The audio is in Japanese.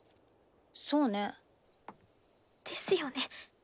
そうね。ですよね。